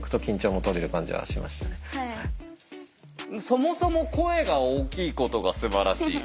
そもそも声が大きいことがすばらしい。